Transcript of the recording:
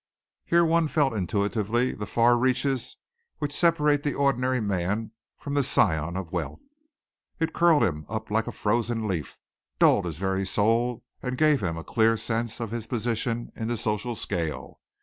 Here one felt intuitively the far reaches which separate the ordinary man from the scion of wealth. It curled him up like a frozen leaf, dulled his very soul, and gave him a clear sense of his position in the social scale.